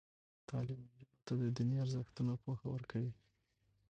تعلیم نجونو ته د دیني ارزښتونو پوهه ورکوي.